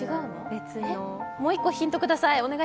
もう１個ヒントください。